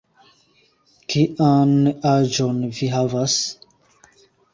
Kian aĝon vi havas?